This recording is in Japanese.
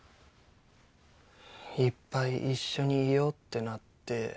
いっぱい一緒にいよってなって。